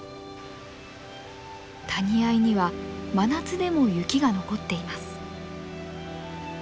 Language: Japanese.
谷あいには真夏でも雪が残っています。